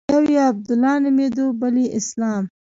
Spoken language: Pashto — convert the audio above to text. يو يې عبدالله نومېده بل يې اسلام.